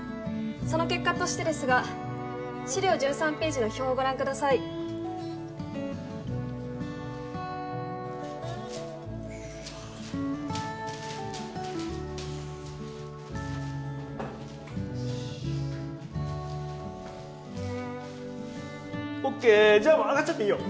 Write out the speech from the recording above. その結果としてですが資料１３ページの表をご覧くださいＯＫじゃあもう上がっちゃっていいよ